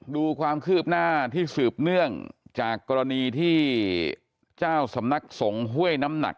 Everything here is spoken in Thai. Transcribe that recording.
ดูความคืบหน้าที่สืบเนื่องจากกรณีที่เจ้าสำนักสงฆ์ห้วยน้ำหนัก